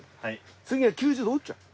次は９０度折っちゃう。